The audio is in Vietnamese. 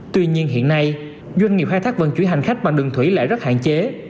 tuy nhiên hiện nay doanh nghiệp khai thác vận chuyển hành khách bằng đường thủy lại rất hạn chế